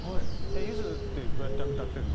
「ゆずってどうやって歌ってるの？」。